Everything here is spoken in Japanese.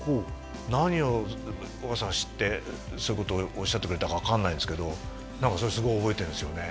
何を緒形さんが知ってそういうことをおっしゃってくれたか分かんないんですけど何かそれすごい覚えてるんですよね